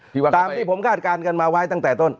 ตามที่ผมคาดการณ์กันมาไว้ตั้งแต่ต้น